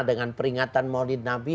dengan peringatan maulid nabi